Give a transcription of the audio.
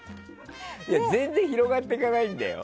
全然広がっていかないんだよ。